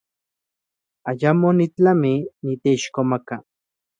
Ayamo nitlami niteixkomaka.